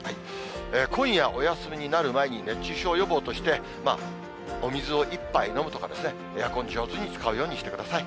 今夜、お休みになる前に熱中症予防として、お水を１杯飲むとかですね、エアコンを上手に使うようにしてください。